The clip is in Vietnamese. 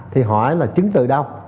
thì hỏi là chứng từ đâu